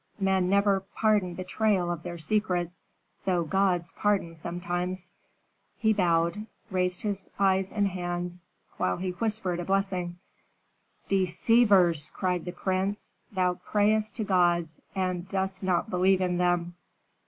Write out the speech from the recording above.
"Men never pardon betrayal of their secrets, though gods pardon sometimes." He bowed, raised his eyes and hands, while he whispered a blessing. "Deceivers!" cried the prince. "Thou prayest to gods, and dost not believe in them."